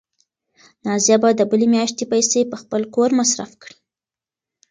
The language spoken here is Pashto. نازیه به د بلې میاشتې پیسې په خپل کور مصرف کړي.